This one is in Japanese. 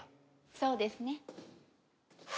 そうですね。